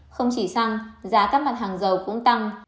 không chỉ xăng giá các mặt hàng dầu cũng tăng